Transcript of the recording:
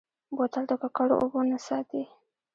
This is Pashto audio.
بوتل د ککړو اوبو نه ساتي.